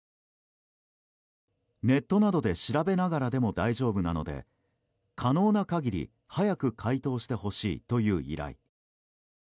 ネットなどで調べながらでも大丈夫なので可能な限り早く解答してほしいという依頼。